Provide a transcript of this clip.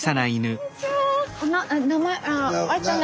こんにちは。